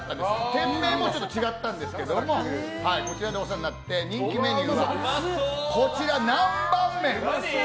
店名もちょっと違ったんですがこちらでお世話になって人気メニューは南ばん麺。